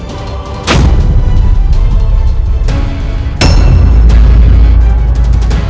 aku akan selamatkan raih surawi sesa